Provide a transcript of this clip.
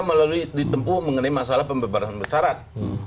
melalui ditempu mengenai masalah pembebaran besarat